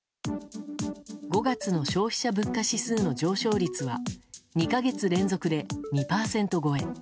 ５月の消費者物価指数の上昇率は２か月連続で２％超え。